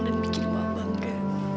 dan bikin wawa bangga